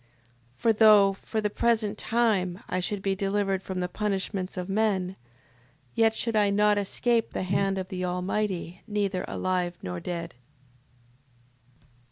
6:26. For though, for the present time, I should be delivered from the punishments of men, yet should I not escape the hand of the Almighty neither alive nor dead.